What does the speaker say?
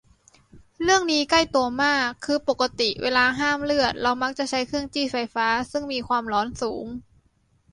เรื่องนี้ใกล้ตัวมาก คือปกติเวลาห้ามเลือดเรามักจะใช้เครื่องจี้ไฟฟ้า ซึ่งมีความร้อนสูง